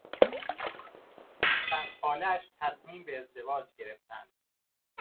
او و دختر خالهاش تصمیم به ازدواج گرفتند.